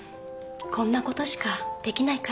こんなことしかできないから。